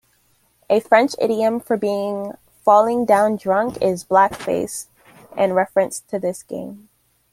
A French idiom for being falling-down-drunk is "black faced" in reference to this game.